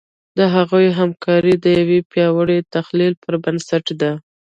د هغوی همکاري د یوه پیاوړي تخیل پر بنسټ ده.